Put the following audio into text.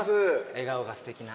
笑顔がすてきな。